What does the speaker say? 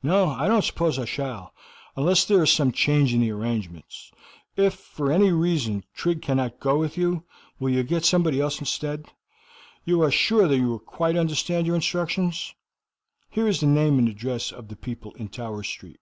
"No, I don't suppose I shall, unless there is some change in the arrangements. If for any reasons Tring cannot go with you, you will get somebody else instead. You are sure that you quite understand your instructions? Here is the name and address of the people in Tower Street."